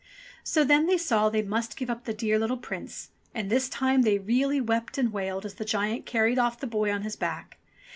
So then they saw they must give up the dear little Prince, and this time they really wept and wailed as the giant carried off the boy on his back.